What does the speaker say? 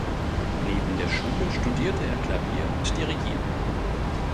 Neben der Schule studierte er Klavier und Dirigieren.